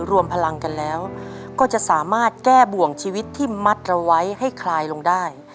รวมพลังกันแล้วก็จะสามารถแก้บ่วงชีวิตที่มัดเราไว้ให้คลายลงได้